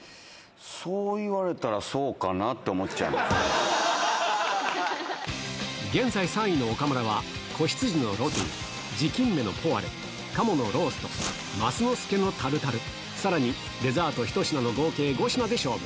そう言われたらそうかなって現在３位の岡村は、仔羊のロティ、地金目のポワレ、鴨のロースト、マスノスケのタルタル、さらにデザート１品の合計５品で勝負。